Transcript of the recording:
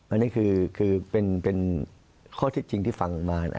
อันนี้คือเป็นข้อเท็จจริงที่ฟังมา